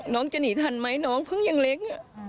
น้องจะหนีทันไหมน้องเพิ่งยังเล็ก